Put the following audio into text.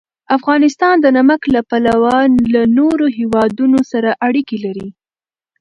افغانستان د نمک له پلوه له نورو هېوادونو سره اړیکې لري.